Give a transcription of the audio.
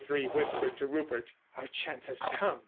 303 whispered to Rupert. "Our chance has come.